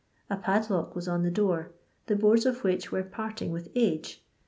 A padlock was on the door, the boards of which were parting with age.